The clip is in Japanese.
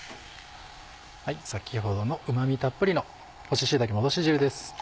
先ほどのうま味たっぷりの干し椎茸の戻し汁です。